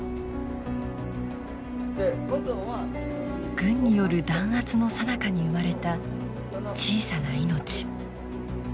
軍による弾圧のさなかに生まれた小さな命。